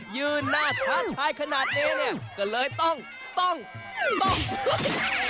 ยืนหน้าท้าทายขนาดนี้เนี่ยก็เลยต้องต้อง